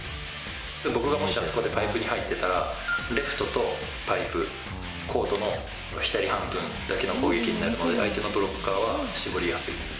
僕がもしあそこでパイプに入ってたら、レフトとパイプ、コートの半分、左半分だけの攻撃になるので、相手のブロッカーは絞りやすい。